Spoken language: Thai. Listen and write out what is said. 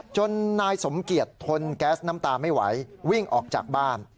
จนนายสมเกียจทนแก๊สน้ำตาไม่ไหววิ่งออกจากบ้าน